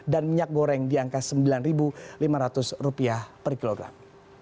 dan minyak goreng di angka rp sembilan lima ratus per kilogram